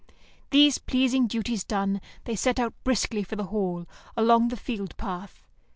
These pleasing duties done, they set out briskly for the Hall, along the field path.